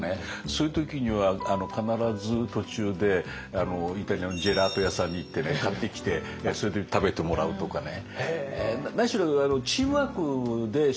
そういう時には必ず途中でイタリアのジェラート屋さんに行って買ってきてそれで食べてもらうとかね。